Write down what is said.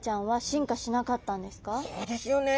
そうですよね。